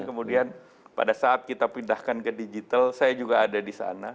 kemudian pada saat kita pindahkan ke digital saya juga ada di sana